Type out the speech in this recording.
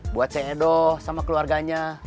buat saya edo sama keluarganya